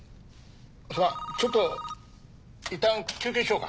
ちょっといったん休憩しようか。